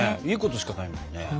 いいことしかないもんね。